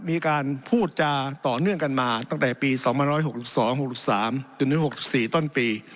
มีการพูดจาต่อเนื่องกันมาตั้งแต่ปีสองพันร้อยหกลุ่นสองหกลุ่นสามจนถึงหกสิบสี่ต้นปี